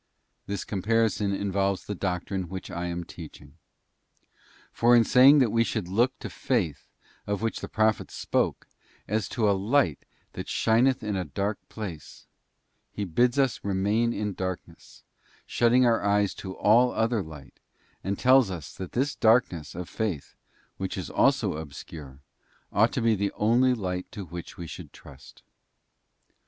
* This comparison involves the doctrine which I am teaching. For in saying that we should look to Faith of which the Prophets spoke, as to a light that shineth in a dark place, he bids us remain in darkness, shutting our eyes to all other light, and tells us that this darkness of faith, which is also obscure, ought to be the only light to which we should trust.